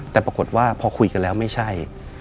แต่ปรากฏว่าพอคุยกันแล้วไม่ใช่